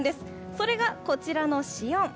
それが、こちらの汐音。